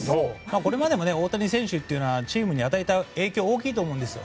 これまでも大谷選手がチームに与えた影響は大きいと思うんですよ。